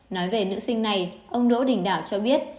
nói về nữ sinh này ông đỗ đình đảo cho biết